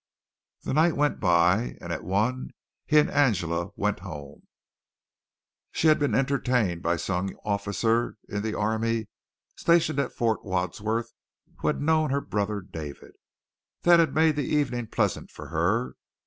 The night went by, and at one he and Angela went home. She had been entertained by some young officer in the army stationed at Fort Wadsworth who had known her brother David. That had made the evening pleasant for her.